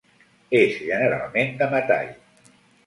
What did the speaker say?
És generalment de metall.